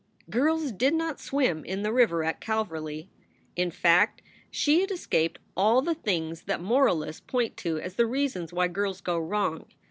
Girls did not swim in the river at Calverly. In fact, she had escaped all the things that moralists point to as the reasons why girls go wrong.